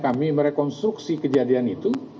kami merekonstruksi kejadian itu